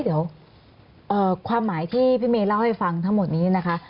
เดี๋ยวความหมายที่พี่เมย์เล่าให้ฟังทั้งหมดนี้นะคะ